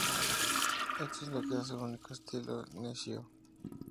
Esto es lo que hace único al estilo Nishio.